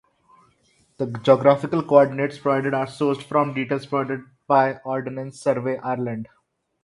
The geographical co-ordinates provided are sourced from details provided by Ordnance Survey Ireland.